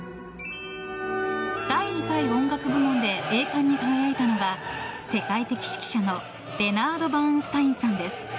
第２回音楽部門で栄冠に輝いたのが世界的指揮者のレナード・バーンスタインさんです。